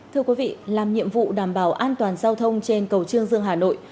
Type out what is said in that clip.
thưa quý vị làm nhiệm vụ đảm bảo an toàn giao thông trên cầu trương dương hà nội